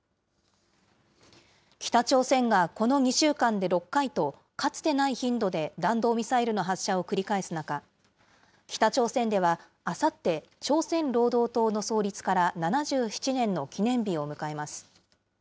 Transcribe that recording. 北朝鮮がこの２週間で６回と、かつてない頻度で弾道ミサイルの発射を繰り返す中、北朝鮮では、あさって、朝鮮労働党の創立から７７年の記念日を迎えます。